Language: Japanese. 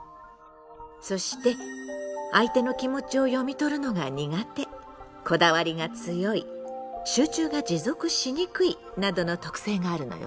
そして相手の気持ちを読み取るのが苦手こだわりが強い集中が持続しにくいなどの特性があるのよ。